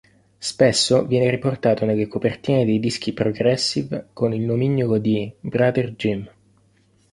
Spesso viene riportato nelle copertine dei dischi progressive con il nomignolo di "Brother Jim".